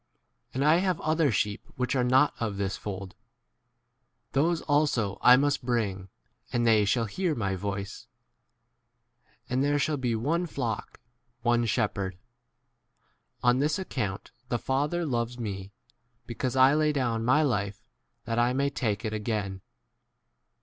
And I have other sheep which are not of this fold ; those also I must bring 1 , and they shall hear my voice; and there shall be one flock, one shepherd. 17 On this account the Father loves me, because I' lay down my life 18 that I may take it again.